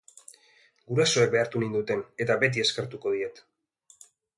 Gurasoek behartu ninduten eta beti eskertuko diet.